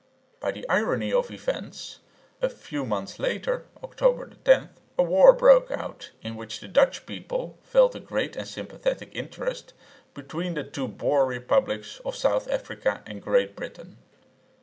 By the irony of events, a few months later (October 10) a war broke out, in which the Dutch people felt a great and sympathetic interest, between the two Boer republics of South Africa and Great Britain.